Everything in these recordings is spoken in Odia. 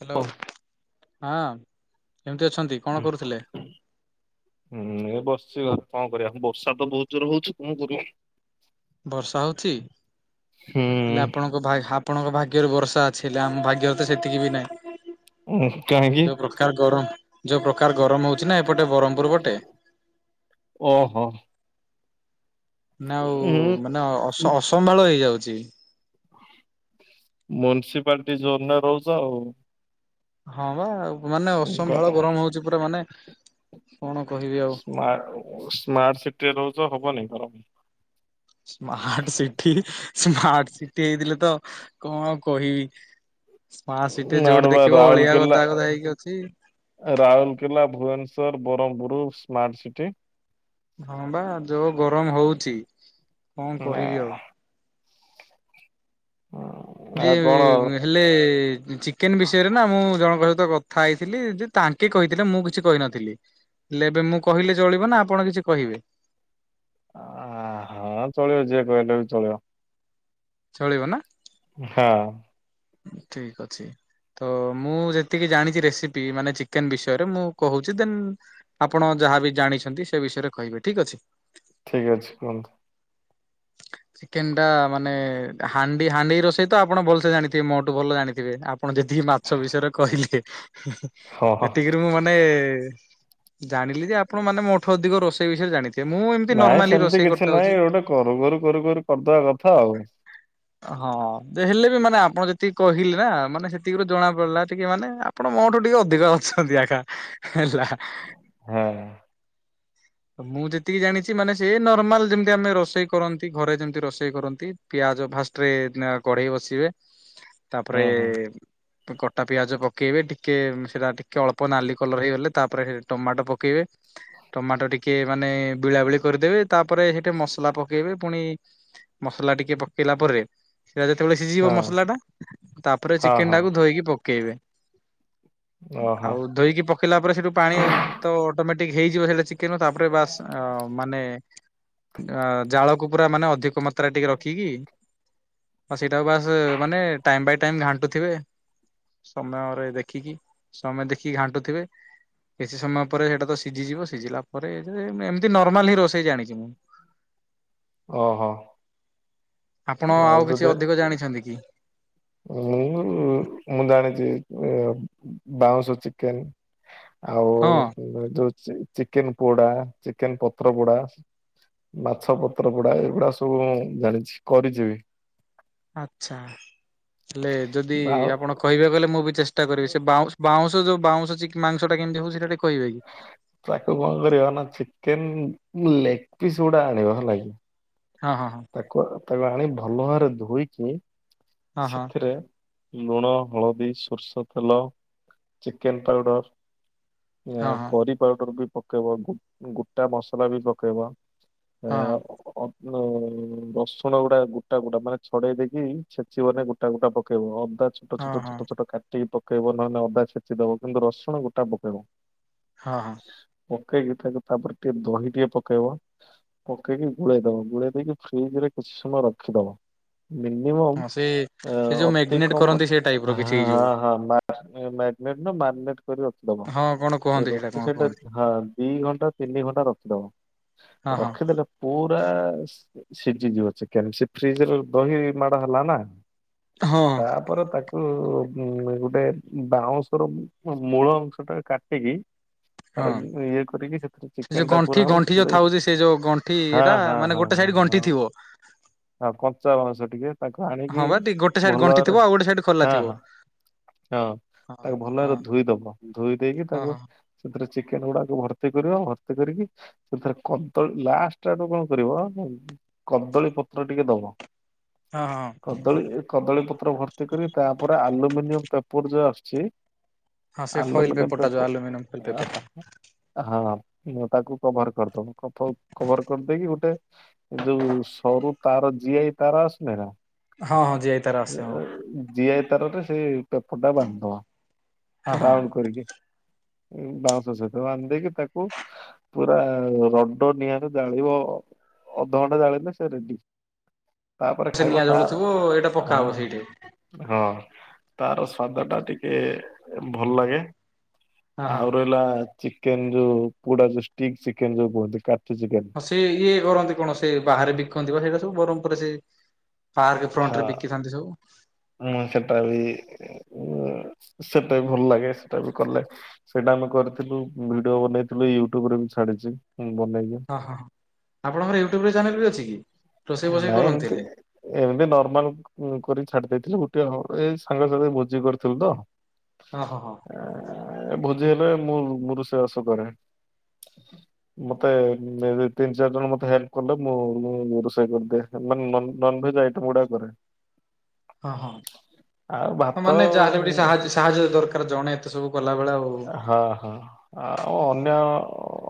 ହ୍ୟାଲୋ ଓ ହଁ କେମିତି ଅଛନ୍ତି? କଣ ହୁଁ ହ କରୁଥିଲେ? [unintelligible] ହୁଁ ଏ ବସିଛି କଣ କରିବା ବର୍ଷା ତ ବହୁତୁ ଜୋରେ ହଉଚି କଣ କରିବା। ବର୍ଷା ହଉଚି ହେଲେ ଆପଣ ଓ ଭାଇ ଆପଣଙ୍କ ଭାଗ୍ୟରେ ବର୍ଷା ଅଛି ହେଲେ ଆମ ଭାଗ୍ୟରେ ତ ସେତିକି ବି ନାହିଁ। ଉଁ କାହିଁକି? ଯୋଉ ପ୍ରକାର ଗରମ ଯୋଉ ପ୍ରକାର ଗରମ ହଉଚି ନା ଏପଟେ ବ୍ରହ୍ମପୁର ପଟେ ଓ ହ। ନା ଓ ଉଁ ମାନେ ଅସ ଅସମ୍ଭାଳ ହେଇଯାଉଛି। ମ୍ୟୁନି୍ସପାଲିଟି ଜୋନରେ ରହୁଚ ଆଉ। ହଁ ବା ମାନେ ଅସମ୍ଭାଳ ଗରମ ହଉଚି ପୁରା ମାନେ କଣ କହିବି ଆଉ। ସ୍ମାର୍ଟ ସ୍ମାର୍ଟ ସିଟିରେ ରହୁଚ ହବନି ଗରମ। ସ୍ମାର୍ଟ ସିଟି ସ୍ମାର୍ଟ ସିଟି ହେଇଥିଲେ ତ କଣ ଆଉ କହିବି ସ୍ମାର୍ଟ ସିଟି ନା ରେ ଯୋଉଠି ବା ଦେଖିବ ଅଳିଆ ରାଉରକେଲା ଗଦା ଗଦା ହେଇକି ଅଛି। Rourkela, Bhubaneswar, Brahmapur smart city. ହଁ ବା ଯୋଉ ଗରମ ହଉଚି କଣ ନା କହିବି ଆଉ। ଯି ଆଉ କଣ ହେଲେ ଚିକେନେ ବିଷୟରେ ନା ମୁଁ ଜଣଙ୍କ ସହିତ କ କଥା ହେଇଥିଲି ଯେ ତାଙ୍କେ କହିଥିଲେ ମୁଁ କିଛି କହିନଥିଲି। ହେଲେ ଏବେ ମୁଁ କହିଲେ ଚଳିବ ନା ଆପଣ କିଛି କହିବେ। ଆ ହଁ ଚଳିବ ଯିଏ କହିଲେ ବି ଚଳିବ। ଚଳିବ ନା। ହଁ। ଠିକ ଅଛି। ତ ମୁଁ ଯେତିକି ଜାଣିଛି ରେସିପି ମାନେ ଚିକେନ ବିଷୟରେ ମୁଁ କହୁଛି ଦେନ ଆପଣ ଯାହା ବି ଜାଣିଛନ୍ତି ସେ ବିଷୟରେ କହିବେ ଠିକ୍ ଅଛି। ଠିକ ଅଛି କୁହନ୍ତୁ। [unintelligible] ଚିକେନ ଟା ମାନେ ହାଣ୍ଡି ହାଣ୍ଡି ରୋଷେଇ ତ ଆପଣ ଭଲସେ ଜାଣିଥିବେ ମୋଠୁ ଭଲ ଜାଣିଥିବେ ଆପଣ ଯେତିକି ମା ମାଛ ବିଷୟରେ କହିଲେ ହଁ ହଁ। ଏତିକିରୁ ମୁଁ ମାନେ ଜାଣିଲି ଯେ ଆପଣ ମାନେ ମୋଠୁ ଅଧିକ ରୋଷେଇ ବିଷୟରେ ଜାଣିଥିବେ ମୁଁ ଏମିତି ନାଇଁ ନର୍ମାଲି ସେମିତି ରୋଷେଇ କିଛି ନାଇଁ କରିଥାଉଛି। ଗୋଟେ କରୁ କରୁ କରୁ କରୁ କରିଦବା କଥା ଆଉ। ହଁ ଯେ ହେଲେ ବି ମାନେ ଆପଣ ଯେତିକି କହିଲେ ନା ମାନେ ସେତି ସେତିକୁରୁ ଜଣା ପଡିଲା ଟିକେ ମାନେ ଆପଣ ମୋ ଠୁ ଟିକେ ଅଧିକ ଅଛନ୍ତି ଆକା। ହେଲା। ହଁ ମୁଁ ଯେତିକି ଜାଣିଛି ମାନେ ସେ ନର୍ମାଲ ଯେମିତି ଆମେ ରୋଷେଇ। କରନ୍ତି ଘରେ ଯେମିତି ରୋଷେଇ କରନ୍ତି ପିଆଜ ଫାଷ୍ଟ ରେ କଢେଇ ବସିବେ। ହୁଁ ତାପରେ। ହୁଁ ତ କଟା ପିଆଜ ପକେଇବେ ଟିକେ ସେଟା ଟିକେ ଅଳ୍ପ ନାଲି କଲର ହେଇଗଲେ ତାପରେ ଟମାଟୋ ପକେଇବେ। ଟମାଟୋ ଟିକେ ମାନେ ଭିଳାଭିଳି କରିଦେବେ ତାପରେ ହେଠି ମସଲା ପ। ପକେଇବେ ପୁଣି ମସଲା ଟିକେ ପକେଇଲା ପରେ। ସେଇଟା ଯେତେବେଳେ ସିଝିଜିବ ମସଲା ଟାତାପରେ ହଁ ହଁ ଚିକେନ ହଁ ଟାକୁ ଧୋଇକି ପକେଇବେ। ଓହୋ ଆଉ ଧୋଇକି ପକେଇଲା ପରେ ସେଇଠୁ ପାଣି ତ ଅଟୋମେଟିକ ହେଇଯିବ ସେଇଟା ଚି ପକେଇବ ତାପରେ ବାସ୍ ଆ ମାନେ ଆ। ଜାଳକୁ ପୁରା ମାନେ ଅଧିକ ମାତ୍ରା ଟିକେ ରଖିକି। ଆଉ ସେଇଟାକୁ ବାସ୍ ମାନେ ଟାଇମ ବାଇ ଟାଇମ ଘାଣ୍ଟୁଥିବେ। ସମୟରେ ଦେଖିକି ସମୟ ଦେଖିକି ଘାଣ୍ଟୁଥିବେ। କିଛି ସମୟ ପରେ ସେଇଟା ତ ସିଝିଯିବ ସିଝିଲା ପରେ ଏ ଯେ ଏମିତି ନର୍ମାଲ ହିଁ ରୋଷେଇ ଜାଣିଛି ମୁଁ। ଓହୋ। ଆପଣ ଆଉ କିଛି ଅଧିକ ଜାଣିଛନ୍ତି କି। ମୁଁ ମୁଁ ଜାଣିଛି ବାଉଁଶ ଚିକେନ। ଆଉ ହଁ ଯୋଉ ଚିକେନ ପୋଡା ଚିକେନ ପତ୍ର ପୋଡା। ମାଛ ପତ୍ର ପୋଡା ଏଇଗୁଡା ସବୁ ଜାଣିଛି କରିଛି ବି। ଆଚ୍ଛା ହେଲେ ଯଦି ବି ଆଉ ଆପଣ କହିବାକୁଗଲେ ମୁଁ ବି ଚେଷ୍ଟା କରିବି ସେ ବାଉଁ ବାଉଁସ ଯୋଉ ବାଉଁସ ଚିକ ମାଂସ ଟା କେମିତି ହଉଛି ସେଇଟା ଟିକେ କହିବେ କି। ତାକୁ କଣ କରିବ ନା ଚିକେନ ଲେଗ ପିସ୍ ଗୁଡା ଆଣିବ ହେଲା କି। ହଁ ହଁ ହଁ। କୋ ତାକୁ ଆଣି ଭଲ ଭାବରେ ଧୋଇକି ହଁ ହଁ ସେଥିରେ। ଲୁଣ, ହଳଦୀ, ସୋରିଷ ତେଲ, ଚିକେନ ପାଉଡ଼ର। ହଁ ହଁ କରି ପାଉଡର ବି ପକେଇବ ଗୋଟା ମସଲା ବି ପକେଇବ। ଏ ହଁ ଅ ଅସୁଣ ରସୁଣ ଗୁଡା ଗୋଟା ଗୋଟା ମାନେ ଛଡେଇ ଦେଇକି। ଛେଚିବ ମାନେ ଗୋଟା ଗୋଟା ପକେଇବ ଅଦା ଛୋଟ ହଁ ହଁ ଛୋଟ ଛୋଟ ହଁ ଛୋଟ କାଟି। କାଟିକି ପକେଇବ ନହେଲେ ଅଦା ଛେଚି ଦବ କିନ୍ତୁ ରସୁଣ ଗୋଟା ପକେଇବ। ହଁ। ପକେଇକି ତାକୁ ତାପରେ ଟିକେ ଦହି ଟିକେ ପକେଇବ। ପକେଇକି ଗୋଳେଇ ଦବ, ଗୋଳେଇ ଦେଇକି ଫ୍ରିଜ୍ ରେ କିଛି ସମୟ ରଖିଦବ, ମିନିମ ମମ୍ ହଁ ସେ ଅ, ସେ ଯୋଉ ଅତି ମ୍ୟାଗନେଟ କମ କରନ୍ତି ରେ ସେ ଟାଇପ ର ହଁ, କିଛି ହେଇଯିବ ହଁ, ବୋଲି। ହଁ ମା-ଏ ମାଗନେଟ୍ ନୁହଁ ମାରିନେଟ୍ କରି ରଖିଦବ। ହଁ କଣ ଏ କୁହନ୍ତି ରଖି କଣ ସେଇଟା କୁହନ୍ତି ହଁ ଦି ଘଣ୍ଟା ତିନି ଘଣ୍ଟା ରଖିଦବ, ହଁ ହଁ ରଖିଦେଲେ ପୁରା ସି-ସିଝିଯିବ ଚିକେନ୍ ସେ ଫ୍ରିଜ୍ ରେ ଦହି ବି ମାଡ ହେଲା ନା। ହଁ ତା ପରେ ତାକୁ ଉଁ, ଗୁଟେ ଉଁ, ବାଉଁଶ ର ମୂଳ ଅଂଶ ଟା କାଟିକି [inaudible] ତାର ହଁ ଇଏ କରିକି ସେଥିରେ ସେ ଯୋଉ ଚିକେନ୍ ଟା ଗଣ୍ଠି ପୁରାହବ, ଗଣ୍ଠି ଯୋଉ ପୁରେଇ ହଁ, ହଁ, ହଁ ତ ସେଇଠି ଗଣ୍ଠି ଥିବ। [inaudible] ଆଉ କଞ୍ଚା ବାଉଁଶ ଟିକେ ତାକୁ ଆଣିକି ହଁ ବା ଟିକେ ଗୋଟେ ସାଇଡ ଗଣ୍ଠି ଥିବ ଭଲରେ ଆଉ ଗୋଟେ ସାଇଡ ଖୋଲା ହଁ, ଥିବ ହଁ ହଁ ହଁ ତାକୁ ଭଲ ହଁ ଭାବରେ ଧୋଇଦବ। ଧୋଇ ଦେଇକି ହଁ ତାକୁ ହଁ ସେଥିରେ ଚିକେନ୍ ଗୁଡାକୁ ଭର୍ତ୍ତି କରିବ, ଭର୍ତ୍ତି କରିକି ସେଥିରେ କଦଳୀ ଲାଷ୍ଟ ଆଡକୁ କଣ କରିବ କଦଳୀ ପତ୍ ତ ଟିକେ ଦବ ହଁ ହଁ କଦଳୀ ଏ କଦଳୀ ପତ୍ର ଭର୍ତ୍ତି କରି, ତାପରେ ଆଲୁମିନିୟମ ପେପର୍ ଯୋ ଆସୁଛି। ହଁ ସେ ଫଏଲ ଆଲୁମିନୟମ୍ ପେପରଟା ଯୋଉ ପେପ ଆଲୁମିନିୟମ ଫଏଲ ଆ ପେପରଟା ହଁ ମୁଁ ତାକୁ କଭର୍ କରଦବୁ। କଫ- କଭର କରିଦେଇକି ଗୁଟେ ଏ ଯୋଉ ସରୁ ତାର ଜିଆଇ ତାର ଆସୁନି ନା? ହଁ ହଁ ଜିଆଇ ତାର ଆସେ ହଁ ଅ, ଜିଆଇ ତାରରେ ସେ ପେପର୍ ଟା ବାନ୍ଧଦବା, ହଁ ହଁ ରାଉଣ୍ଡ କରିକି। ଏ ବାଉଁଶ ସହିତ ବାନ୍ଧ ଦେଇକି ତାକୁ ପୁରା ରଡୋ ନିଆଁରେ ଜାଳିବ ଅଧଘଣ୍ଟା ଜାଳିଲେ ସେ ରେଡି। ତାପରେ ସେ ଖାଇବ ନିଆଁ ତା ଜଳୁଥିବ ଏଇଟା ପକା ହବ ହଁ ସେଇଠି ହଁ ତାର ସ୍ଵାଦ ଟା ଟିକେ ଭଲ ଲାଗେ। ହଁ ହଁ ଆଉ ରହିଲା ଚି କେନ୍ ଯୋଉ ପୋଡା ଯୋଉ ଷ୍ଟିକ୍ ଚିକେନ୍ ଯୋଉ କୁହନ୍ତି କାଠି ଚିକେନ୍। ହଁ ସେ ଇଏ କରନ୍ତି କଣ ସେ ବାହାରେ ବିକନ୍ତି ବା ସେଇଟା ସବୁ, ବରମପୁରରେ ସେ ପାର୍କ ଫ୍ରଣ୍ଟ ହଁ ରେ ବିକିଥାନ୍ତି ସବୁ। ମୁଁ ସେଟା ବି ଉଅ, ସେଟା ଭଲ ଲାଗେ, ସେଟା ବି କଲେ। ସେଇଟା ଆମେ କରିଥିଲୁ ଭିଡିଓ ବନେଇଥିଲୁ ୟୁଟ୍ୟୁବ ରେ ବି ଛାଡ଼ିଛି ମୁଁ ବନେଇକି। ହଁ, ହଁ, ହଁ ଆପଣଙ୍କର ୟୁଟ୍ୟୁବ ରେ ଚ୍ୟାନେଲ୍ ବି ଅଛି କି? ରୋଷେଇ ବୋଷେଇ ନାାଇ ଏମତି କରନ୍ତିଥିଲେ ଏମିତି ନର୍ମାଲ୍। ମୁଁ କରି ଛାଡି ଦେଇଥିଲି ଗୁଟିଏ ହଁ ଏଇ ସାଙ୍ଗ ସାଙ୍ଗେ ଭୋଜି କରିଥିଲୁ ତ। ହଁ, ହଁ, ହଁ। ଆ, ଏ ଭୋଜି ହେଲେ ମୁଁ ମୁଁ ରୋଷେଇବାସ କରେ। ମୋତେ ଏବେ ତିନି ଚାରି ଜଣ ମୋତେ ହେଲ୍ପ କଲେ ମୁଁ ମୁଁ ରୋଷ ଥାକୁ ଦେଖେ ମାନେ ନନ୍ ନନଭେଜ୍ ଆଇଟମ୍ ଗୁଡା କରେ। ହଁ, ହଁ ଆଉ ତ ଭାତ ମାନେ ଯାହାହେଲେ ବି ଟିକେ ଉଁ, ସା- ସାହାଯ୍ୟ ଦରକାର, ଜଣେ ଏତେ ସବୁ କଲାବେଳେ ଆଉ ହଁ, ହଁ। ଆ, ଆଉ ଅନ୍ୟ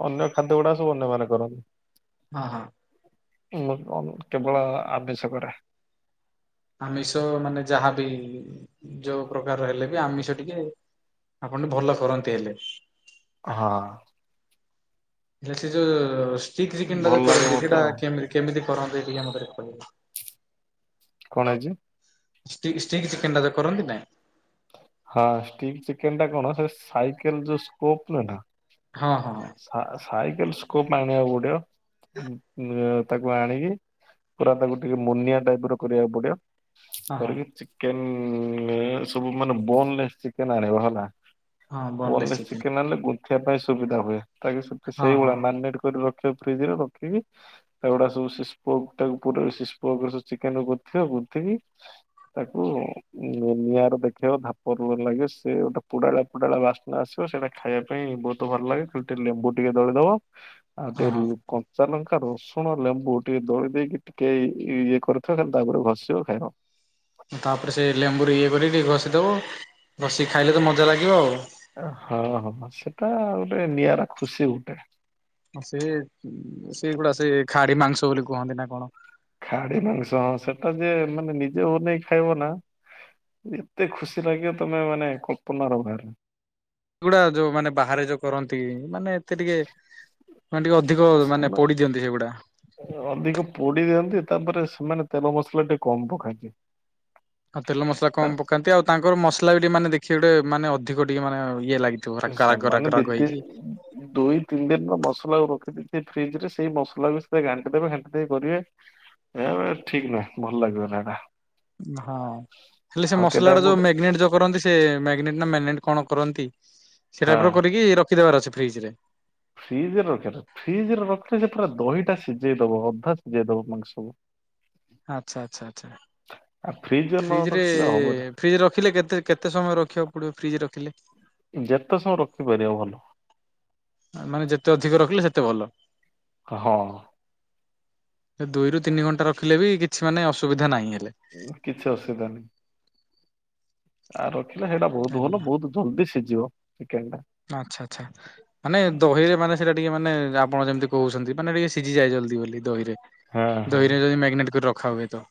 ଅନ୍ୟ ଖାଦ୍ୟ ଗୁଡା ସବୁ ଅନ୍ୟମାନେ କରନ୍ତି। ହଁ ହଁ। କେବଳ ଆବଶକରେ। ଆମିଷ ମାନେ ଯାହାବି ଯୋଉ ପ୍ରକାରର ହେଲେ ବି ଆମିଷ ଟିକେ ଆପଣ ଭଲ କରନ୍ତି ହେଲେ। ହଁ। ହେଲେ ସେ ଯୋଉ ଷ୍ଟିକ୍ ଚିକେନ୍ ଟା ଭଲ ଯଉ ଲାଗେ କରନ୍ତି ମତେ ଆଉ। ସେଇଟାତି କେମିତି କରନ୍ତି ଏ ଟିକି ମତେ କହ କଣ ହେଇଛି? ଷ୍ଟିକ ଚିକେନ ଟା ଯୋ କରନ୍ତି ନାଇଁ ହଁ ଷ୍ଟିକ୍ ଚିକେନ ଟା କଣ ସେ ସାଇକେଲ ଯୋଉ ସ୍କୋପ ନ ନା ହଁ ହଁ। ହଁ ସାଇକେଲ ସ୍କୋପ ଆଣିବା ଗୋଡିବ ତାକୁ ଆଣିକି ପୁରା ତାକୁ ଟିକେ ମୁନିଆ ଟାଇପ ର କରିବାକୁ ପଡିବ। ହଁ କରିକି ଚିକେନ ସବୁ ମାନେ ବୋନ ଚିକେନ ଆଣିବ ହେଲା। ହଁ ବୋନଲେସ୍ ଚିକେନ୍ ଚିକେନ ଆଣିଲେ ଗୁନ୍ଥିବା ପାଇଁ ସୁବିଧା ହୁଏ ତାକ ହଁ ହଁ ସେଇଭଳିଆ ମାରିନେଟ କରି ଫ୍ରିଜ ରେ ରଖିକି ଏଗୁଡା ସବ ସି ପ ଟା ପୁରା [unintelligible] ପକ୍ ଚିକେନ ଥିବ ବୁକି ତାକୁ ନିଆଁରେ ଦେଖେଇବ ଧାପ ଲାଗେ ସେ ଗୋଟେ ପୋଡାଳା ପୋଡାଳ ବାସ୍ନା ଆସିବ। ତ ସେଇଟା ଖାଇବା ପାଇଁ ବହୁତ ଭଲ ଲାଗେ ଟିକେ ଲେମ୍ବୁ ଟିକେ ଦଳିଦବ ଆଉ ହଁ ହଁ ଟିକେ ଚା ଲଙ୍କା ରସୁଣ ଲେମ୍ବୁ ଟିକେ ଦଳି ଦେଇକି ଟିକେ ଇଏ କରିଥ ଖାଲି ତାପରେ ଘଷିବ ଖାଇବ। ତାପରେ ସେ ଲେମ୍ବୁରୁ ଇଏ କରିକି ଟିକେ ଘଷିଦବ ଘଷି ଖାଇଲେ ତ ମଜା ଲାଗିବ ଆଉ। ହଁ ହଁ ସେଟା ଗୋଟେ ନିଆରା ଖୁସି ଗୋଟେ। ସେଏ ସେଗୁଡା ସେ ଖାଡି ମାଂସ ବୋଲି କୁହନ୍ତି ନା କଣ। ଖାଡି ମାଂସ ସେଟା ଯେ ମାନେ ନିଜେ ବନେଇ ଖାଇବ ନା ଏତେ ଖୁସି ଲାଗିବ ତମେ ମାନେ କଳ୍ପନା ର ବାହାରେ। ସେଗୁଡା ଯୋଉ ମାନେ ବାହାରେ ଯୋଉ କରନ୍ତି ମାନେ ଏତେ ଟିକେ ମାନେ ଟିକେ ଅଧିକ ମାନେ ସେମାନେ ପୋଡି ଦିଅନ୍ତି ସେଗୁଡା। ଅଧିକ ପୋଡ଼ି ଦିଅନ୍ତି ତାପରେ ସେମାନେ ତେଲ ମସଲା ଟିକେ କମ ପକାନ୍ତି। ଆଉ ତେଲ ମସଲା ତାର କମ୍ ପକାନ୍ତି ଆଉ ତାଙ୍କର ମସଲା ବି ଟିକେ ମାନ ଦେଖି ଗୋଟେ ମେ ଅଧିକ ଟିକେ ମାନେ ଇଏ ଲାଗିବ। ସେମାନେ ପୁରା ଦି [unintelligible] ତି ହେଇକି ଦୁଇ ତିନି ଦିନର ମସଲା ରଖିଦେଇଛି ଫ୍ରିଜ ରେ ସେଇ ମସଲା ବି ସେ ଘାଣ୍ଟି ଦେବେ ଘାଣ୍ଟି କରିବେ। ଏବେ ଠିକ୍ ନୁହେଁ ଭଲ ଲାଗିବ ନା ଏଇଟା। ହଁ ହେଲେ ସେ କେବେ ମସଲା ଟା ଆମେ ଯୋଉ ଗୋଟେ ମ୍ୟାଗିନେଟ୍ ଯୋଉ କରନ୍ତି। ସେ ମ୍ୟାଗନେଟ ନା ମନେଟ କଣ କରନ୍ତି ସେ ହଁ। ଟାଇପ ର କରିକି ରଖିଦବାର ଅଛି ଫ୍ରିଜ ରେ ଫ୍ରିଜ ରେ ରଖ ଫ୍ରିଜ ରେ ରଖିଲେ ଯେ ପୁରା ଦହିଟା ସିଝେଇ ଦବ ଅଧା ସିଝେଇ ଦବ ମାଂସ ସବୁ ଆଚ୍ଛା ଆଚ୍ଛା ଆଛା ଆଉ ଫ୍ରିଜରେ ନ ଫ୍ରିଜ ରେ ରଖିଲେ ହବନି ଫ୍ରିଜ୍ ରଖିଲେ କେତେ କେତେ ସମୟ ରଖିବାକୁ ପଡ଼ିବ ଫ୍ରିଜ୍ ରଖିଲେ? ଯେତେ ସମୟ ରଖିପାରିବ ଭଲ। ମାନେ ଯେତେ ଅଧିକ ରଖିଲେ ସେତେ ଭଲ ହଁ। ସେ ଦୁଇରୁ ତିନି ଘଣ୍ଟା ରଖିଲେ ବି କିଛି ମାନ ଅସୁବିଧା ନାହିଁ। ହେଲେ। କିଛି ଅସୁବିଧା ନାହିଁ। ଆଉ ରଖିଲେ ସେଇଟା ବହୁତ ଭଲ ବହୁତ ଜଲଦି ସିଝିବ ଚିକେନ ଟା ଆଚ୍ଛା ଆଚ୍ଛା। ମାନେ ଦହିରେ ମାନେ ସେଇଟା ଟିକେ ମାନେ ଆପଣ ଯେମିତି କହୁଛନ୍ତି ମାନେିକେ ସିଝିଯାଏ ଜଲ୍ଦି ବୋଲି ଦହିରେ। ହଁ ହଁ। ମ୍ୟାଗ୍ନେଟ୍ କରି ରଖା ହୁଏ ତ।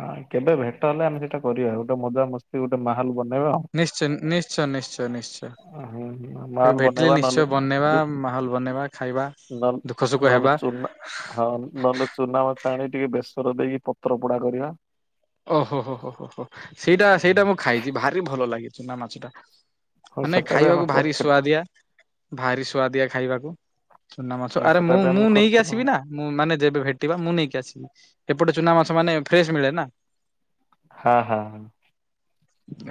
ହଁ କେବେ ଭେଟ ହେଲେ ଆମେ ସେଇଟା କରିବା ଗୋଟେ ମଜାମସ୍ତି ଗୋଟେ ମାହାଲ ବନେଇବା ଆଉ। ନିଶ୍ଚୟ, ନିଶ୍ଚୟ, ନିଶ୍ଚୟ, ନିଶ୍ଚୟ। ହୁଁ ହୁଁ ମାଲ କେବେ ଭେଟିଲେ ବନେଇବା ନହେଲେ ନିଶ୍ଚୟ ବନେଇବା ଯୋଉ ମାହୋଲ ବନେଇବା ଖାଇବା। ନ ଦୁଃଖ ସୁଖ ହେବା ଚୁନାମାଛ ଆଣି ଟିକେ ବେସର ଦେଇକି ପତ୍ର ପୋଡା କରିବା। ଓହୋ ହୋ ଓୋ ହୋ ହୋ ସେଇଟା ସେଇଟା ମୁଁ ଖାଇଛି ଭାରି ଭଲ ଲାଗିଛି ନା ମାଛଟା। ହଁ ମାନେ ସେଟା ବି ଖାଇବାକୁ ଆମେ ଭାରି କରିଥିଲୁ ସୁଆଦିଆ, ଭାରି ସୁଆଦିଆ ଖାଇବାକୁ। ଚୁନା ମାସ ଆରେ ସେଟା ମୁଁ ବି ମୁଁ ଆମେ ନେଇକି କରିଥିଲୁ। ଆସିବି ନା। ମୁଁ ମାନେ ଯେବେ ଭେଟିବା ମୁଁ ନେଇକି ଆସିବି। ଏପଟେ ଚୁନା ମାସ ମାନେ ଫ୍ରେଶ ମିଳେ ନା। ହଁ ହଁ।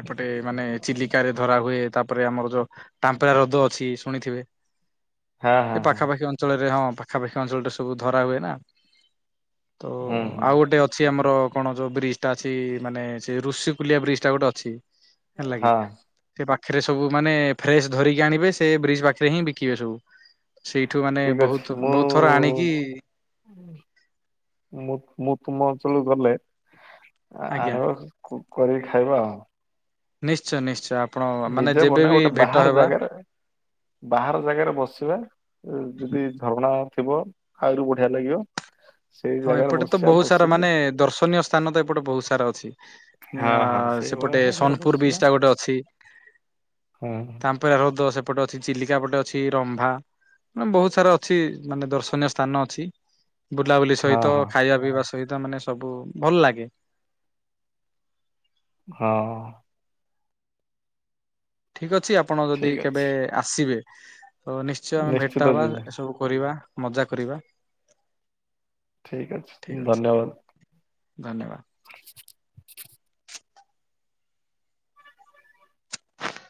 ଏପଟେ ମାନେ ଚିଲିକରେ ଧରା ହୁଏ ତାପରେ ଆମର ଯୋଉ- ତାମ୍ପେରା ର୍ରଦ ଅଛି ଶୁଣିଥିବେ। ହଁ ଏ ହଁ ହଁ ହଁ ପାଖାପାଖି ଅଞ୍ଚଳରେ ହଁ ପାଖାପାଖି ଅଞ୍ଚଳରେ ସବୁ ଧରା ହୁଏ ନା। ତ ହୁଁ ହୁଁ ଆଉ ଗୋଟେ ଅଛି ଆମର କଣ ଯୋଉ ବ୍ରିଜ୍ ଟା ଅଛି ମାନେ ସେ ଋଷି କଲିଆ ବ୍ରିଜ୍ ଟା ଗୋଟେ ଅଛି ହେଲା କିି। ହଁ। ସେ ପାଖରେ ସବୁ ମାନେ ଫ୍ରେସ୍ ଧରିକି ଆଣିବେ ସେ ବ୍ରିଜ୍ ପାଖରେ ହିଁ ବିକିବେ ସବୁ। ସେଇଠୁ ମାନେ ଠିକ ଅଛି ବହୁତ ମୁଁ ବୋହୁତ୍ ଥର ଆଣିକି ମୁଁ ମୁଁ ତୁମ ଅଞ୍ଚଳକୁ ଗଲେ ଆଜ୍ଞା ଆଣିବ କରିକି ଖାଇବା ଆଉ। ନିଶ୍ଚୟ ନିଶ୍ଚୟ ଆପଣ ମାନେ ନିଜେ ବନେଇବା ଯେବେବି ଗୋଟେ ଭେଟ ବାହାର ହେବା ଜାଗାରେ ବାହାର ଜାଗାରେ ବସିବା ଯଦି ଝରଣା ଥିବ ଆହୁରି ବଢିଆ ଲାଗିବ। ସେଇ ହଁ ଜାଗାରେ ଏପଟେ ତ ବସିବା ବହୁତ ସାରା ବସିକି ମାନେ ଦର୍ଶନୀୟ ସ୍ଥାନ ତ ଏପଟେ ବହୁତ ସାରା ଅଛି। ହଁ ଆ ହଁ ସେଇଭଳିଆ ସେପଟେ ଜାଗାରେ ସୋନପୁର ବିଚ୍ ଟା ଗୋଟେ ଅଛି। ହୁଁ। [unintelligible] ହ୍ରଦ ସେପଟେ ଅଛି ଚିଲିକା ପଟେ ଅଛି ରମ୍ଭା ମାନେ ବୋହୁତ୍ ସାରା ଅଛି ମାନେ ଦର୍ଶନୀୟ ସ୍ଥାନ ଅଛି ବୁଲାବୁଲି ହଁ ସହିତ ହଁ ଖାଇବା ପିଇବା ସହିତ ମାନେ ସବୁ ଭଲ ଲାଗେ। ହଁ। ଠିକ୍ ଅଛି ଆପଣ ଯଦି ଠିକ କେବେ ଅଛି ଆସିବେ ତ ନିଶ୍ଚୟ ଆମେ ନିଶ୍ଚିତ ଭେଟ ହବା। ଯିବି ଏସବୁ କରିବା। ମଜା କରିବା। ଠିକ୍ ଅଛି ଧନ୍ୟବାଦ। ଧନ୍ୟବାଦ।